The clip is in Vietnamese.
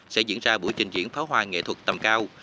sẽ diễn ra buổi trình diễn pháo hoa nghệ thuật tầm cao